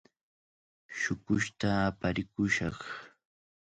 Shuqushta aparikushaq.